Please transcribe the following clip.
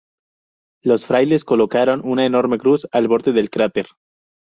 Los frailes colocaron una enorme cruz al borde del cráter.